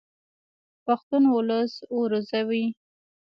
پښتون اولس و روزئ.